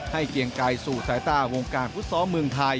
ให้เกียงไกลสู่สายต้าวงการพุศลเมืองไทย